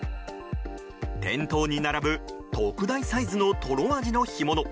店頭に並ぶ特大サイズのとろアジの干物。